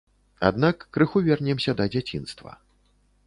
Аднак крыху вернемся да дзяцінства.